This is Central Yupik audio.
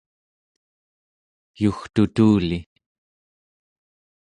yugtutuli